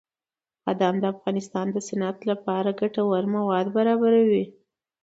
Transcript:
بادام د افغانستان د صنعت لپاره ګټور مواد برابروي.